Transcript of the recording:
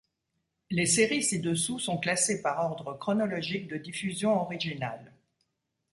Les séries ci-dessous sont classées par ordre chronologique de diffusion originale.